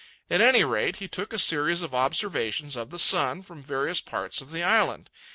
At any rate, he took a series of observations of the sun from various parts of the island.